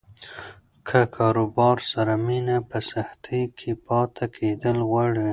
له کاروبار سره مینه په سختۍ کې پاتې کېدل غواړي.